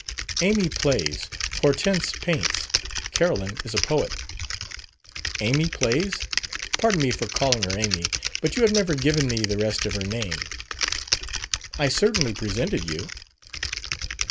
"Amy plays. Hortense paints. Carolyn is a poet." "Amy plays? Pardon me for calling her Amy, but you have never given me the rest of her name." "I certainly presented you."